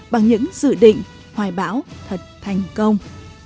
bằng những dự định hoài bão thật thành công